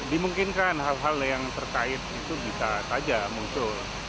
dimungkinkan hal hal yang terkait itu bisa saja muncul